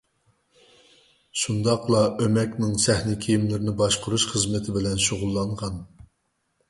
شۇنداقلا ئۆمەكنىڭ سەھنە كىيىملىرىنى باشقۇرۇش خىزمىتى بىلەن شۇغۇللانغان.